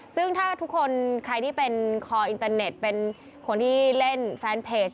ซึ่งถ้าทุกคนใครที่เป็นคออินเตอร์เน็ตเป็นคนที่เล่นแฟนเพจ